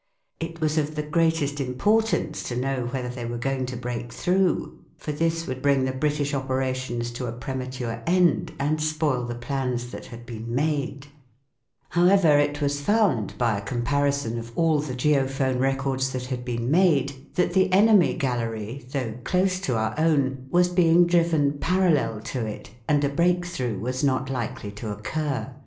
It was of the greatest importance to know whether they were going to break through, for this would bring the British operations to a premature end and spoil the plans that had been 1 See Institute of Mining and Metallurgy, H. S. Ball, loth April 1919. SOUND IN WAR 181 made. However, it was found, by a comparison of all the geophone records that had been made, that the enemy gallery, though close to our own, was bring driven parallel to it and a break through was not likely to occur.